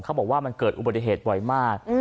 เขาบอกว่ามันเกิดอุบัติเหตุบ่อยมาก